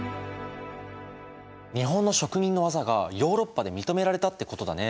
日本の職人の技がヨーロッパで認められたってことだね。